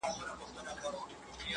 چي يقين يې د خپل ځان پر حماقت سو!!